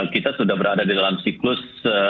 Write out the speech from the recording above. kita sudah berada di dalam siklus